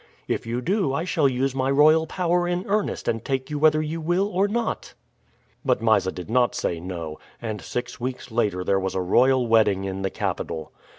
If you do I shall use my royal power in earnest and take you whether you will or not." But Mysa did not say no, and six weeks later there was a royal wedding in the capital.